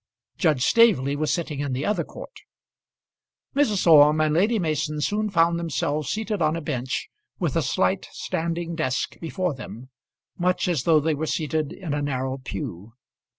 Judge Staveley was sitting in the other court. Mrs. Orme and Lady Mason soon found themselves seated on a bench, with a slight standing desk before them, much as though they were seated in a narrow pew.